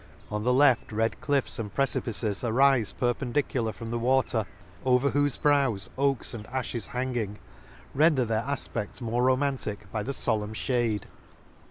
On the left red cliffs and precipices arife per pendicular from the water, over whofe brows oaks and afhes hanging, render their afpedl more romantic by the folemn fhade.